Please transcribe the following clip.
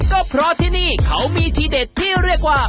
ก็เพราะที่นี่เขามีทีเด็ดที่เรียกว่า